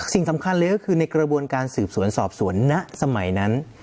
สิ่งสำคัญเลยก็คือในกระบวนการสืบสวนสอบสวนณสมัยนั้น